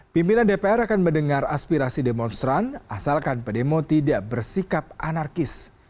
pimpinan dpr akan mendengar aspirasi demonstran asalkan pedemo tidak bersikap anarkis